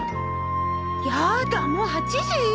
やだもう８時！？